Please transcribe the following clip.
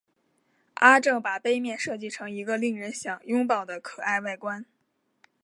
阿正把杯面设计成一个令人想拥抱的可爱外观。